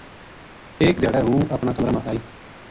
ایک دھیاڑے ہوں اپنا کمرا ما آئی